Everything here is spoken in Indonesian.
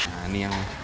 nah ini yang